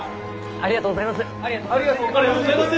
ありがとうございます。